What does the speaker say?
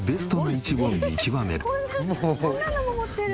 「こんなのも持ってるの？」